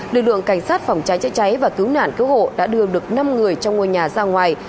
lực lượng cảnh sát phòng cháy chữa cháy và cứu nạn cứu hộ đã đưa được năm người trong ngôi nhà ra ngoài